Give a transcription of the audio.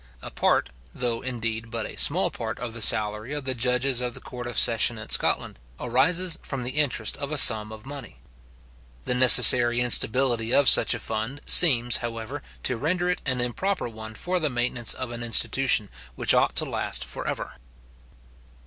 A part, though indeed but a small part of the salary of the judges of the court of session in Scotland, arises from the interest of a sum of money. The necessary instability of such a fund seems, however, to render it an improper one for the maintenance of an institution which ought to last for ever.